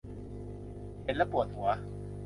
เห็นแล้วปวดหัว